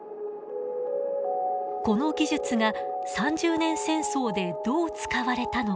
この技術が三十年戦争でどう使われたのか。